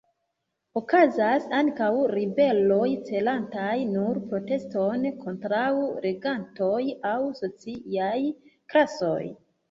Okazas ankaŭ ribeloj celantaj nur proteston kontraŭ regantoj aŭ sociaj klasoj.